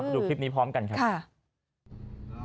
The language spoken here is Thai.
ดูคลิปนี้พร้อมกันครับ